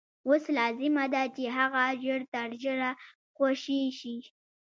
اوس لازمه ده چې هغه ژر تر ژره خوشي شي.